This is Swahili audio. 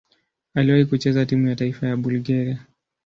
Aliwahi kucheza timu ya taifa ya Bulgaria.